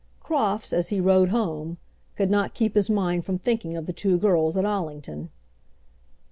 Crofts, as he rode home, could not keep his mind from thinking of the two girls at Allington.